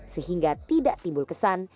sehingga tidak timbul kesan